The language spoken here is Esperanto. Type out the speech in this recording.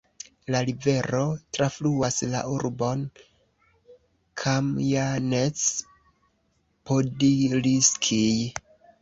La rivero trafluas la urbon Kamjanec-Podilskij.